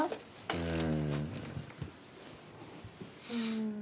うん。